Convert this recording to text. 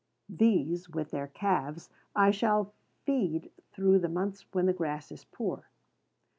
These, with their calves, I shall feed through the months when the grass is poor.